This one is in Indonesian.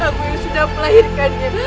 aku yang sudah melahirkan dia